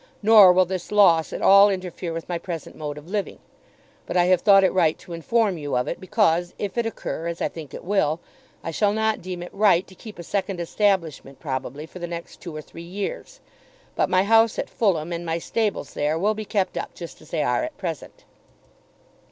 Nor will this loss at all interfere with my present mode of living. But I have thought it right to inform you of it, because, if it occur, as I think it will, I shall not deem it right to keep a second establishment probably for the next two or three years. But my house at Fulham and my stables there will be kept up just as they are at present.